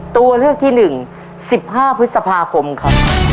ตัวเลือกที่หนึ่งสิบห้าพฤษภาคมค่ะ